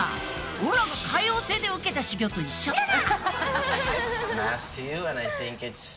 おらが界王星で受けた修業と一緒だな。